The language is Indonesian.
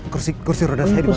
kurit kursi roda saya dimana